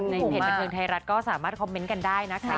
ในเพจบันเทิงไทยรัฐก็สามารถคอมเมนต์กันได้นะคะ